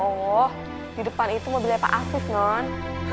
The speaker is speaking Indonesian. oh di depan itu mobilnya pak asis non